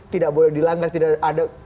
tidak boleh dilanggar tidak ada